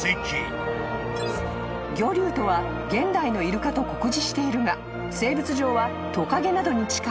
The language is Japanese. ［魚竜とは現代のイルカと酷似しているが生物上は］